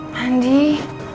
pann di di bilik